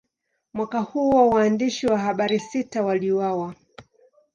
Mwaka huo, waandishi wa habari sita waliuawa.